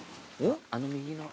あの右の。